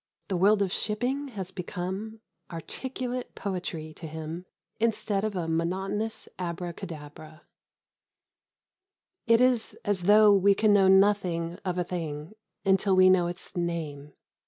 The world of shipping has become articulate poetry to him instead of a monotonous abracadabra. It is as though we can know nothing of a thing until we know its name.